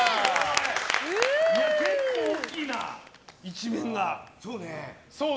結構大きいな、一面が。